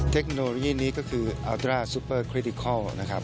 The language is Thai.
เทคโนโลยีนี้ก็คืออัลดราซูเปอร์คริติคอล